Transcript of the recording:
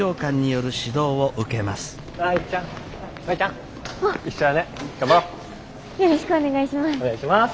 よろしくお願いします。